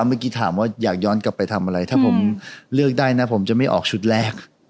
เมื่อกี้ถามว่าอยากย้อนกลับไปทำอะไรถ้าผมเลือกได้นะผมจะไม่ออกชุดแรก